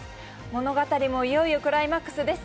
物語もいよいよクライマックスです。